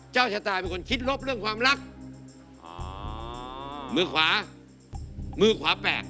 เจ้าชะตาเป็นคนคิดลบเรื่องความรัก